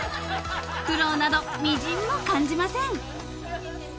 ［苦労などみじんも感じません］